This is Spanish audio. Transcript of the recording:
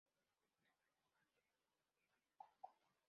Es el noveno parque en el Congo.